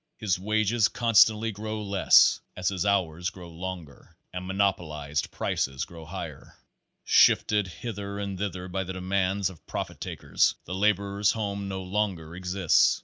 His wages con stantly grow less as his hours grow longer and monopo lized prices grow higher. Shifted hither and thither by the demands of profit takers, the laborer's home no longer exists.